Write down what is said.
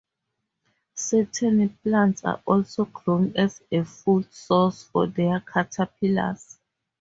Certain plants are also grown as a food source for their caterpillars.